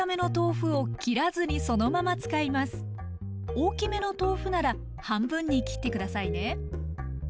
大きめの豆腐なら半分に切って下さいね。